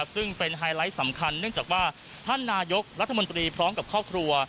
ซึ่งเป็นไฮไลท์สำคัญเนื่องจากว่าท่านนายกรัฐมนตรีพร้อมกับครอบครัว